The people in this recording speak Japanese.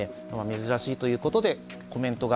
珍しいということでコメントが。